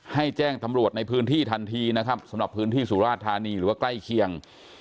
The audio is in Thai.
แจ้งตำรวจในพื้นที่ทันทีนะครับสำหรับพื้นที่สุราชธานีหรือว่าใกล้เคียง